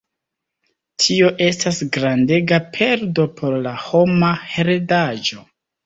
Tio estas grandega perdo por la homa heredaĵo.